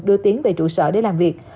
đưa tiến về trụ sở để làm việc